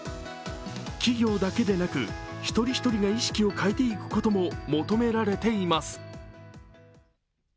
企業だけでなく一人一人が意識を変えていくことも求められています。